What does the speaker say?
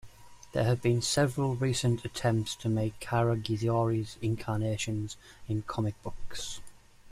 There have been several recent attempts to make Karagiozis incarnations in comic books.